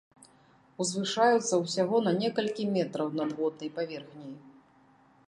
Узвышаюцца ўсяго на некалькі метраў над воднай паверхняй.